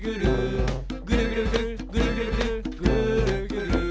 「ぐるぐるぐるぐるぐるぐるぐーるぐる」